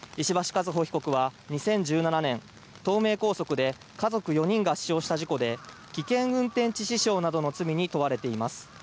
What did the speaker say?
和歩被告は２０１７年東名高速で家族４人が死傷した事故で危険運転致死傷などの罪に問われています。